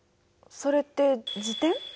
それって自転？